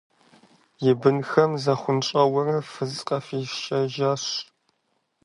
И бынхэм захъунщӏэурэ фыз къафӏишэжащ.